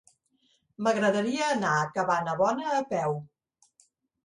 M'agradaria anar a Cabanabona a peu.